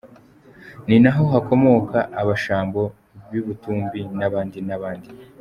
Ninaho hakomoka Abashambo b’i-Butumbi, n’abandi n’abandi.